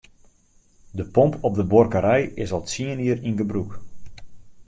De pomp op de buorkerij is al tsien jier yn gebrûk.